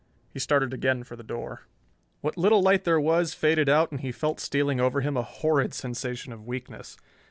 He started again for the door. What little light there was faded out and he felt stealing over him a horrid sensation of weakness.